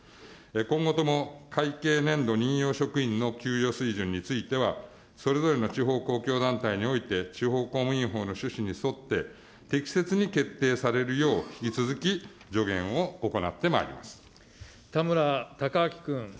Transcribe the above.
今後とも会計年度任用職員の給与水準についてはそれぞれの地方公共団体において、地方公務員法の趣旨に沿って、適切に決定されるよう、田村貴昭君。